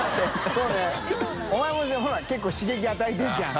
修Δ諭阿ほら結構刺激与えてるじゃん。